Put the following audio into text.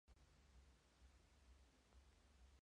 Se encuentran en Asia: cuenca del río Irrawaddy en Birmania.